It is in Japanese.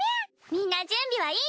みんな準備はいい？